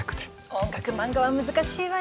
音楽漫画は難しいわよ。